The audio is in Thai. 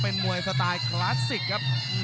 เป็นมวยสไตล์คลาสสิกครับ